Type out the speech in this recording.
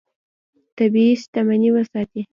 طبیعي شتمنۍ وساتې.